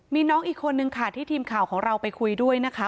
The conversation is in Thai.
มีน้องอีกคนนึงค่ะที่ทีมข่าวของเราไปคุยด้วยนะคะ